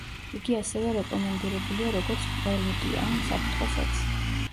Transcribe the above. იგი ასევე რეკომენდირებულია როგორც პრელუდია ან უსაფრთხო სექსი.